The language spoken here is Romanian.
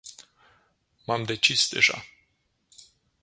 M-am decis deja.